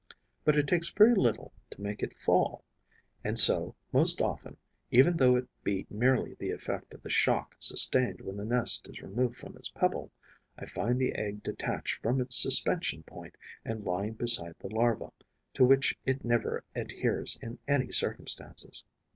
But it takes very little to make it fall. And so, most often, even though it be merely the effect of the shock sustained when the nest is removed from its pebble, I find the egg detached from its suspension point and lying beside the larva, to which it never adheres in any circumstances.